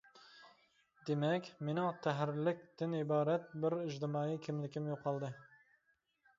دېمەك، مېنىڭ «تەھرىرلىك» تىن ئىبارەت بىر ئىجتىمائىي كىملىكىم يوقالدى.